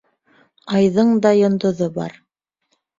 Айҙың да йондоҙо бар.